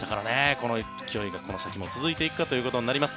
この勢いがこの先も続いていくかとなります。